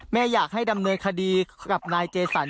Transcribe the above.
อยากให้ดำเนินคดีกับนายเจสัน